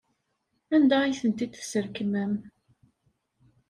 Anda ay ten-id-tesrekmem?